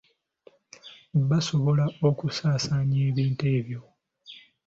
Basobola okusaasaanya ebintu ebyo